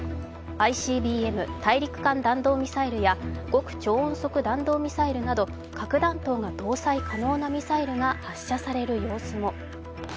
ＩＣＢＭ＝大陸間弾道ミサイルや極超音速弾道ミサイルなど、核弾頭が搭載可能なミサイルが発射される様子も。